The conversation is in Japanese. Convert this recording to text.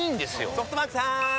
ソフトバンクさーん！